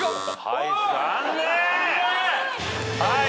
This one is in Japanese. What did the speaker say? はい残念！